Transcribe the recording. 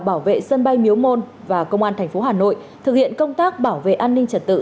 bảo vệ sân bay miếu môn và công an tp hà nội thực hiện công tác bảo vệ an ninh trật tự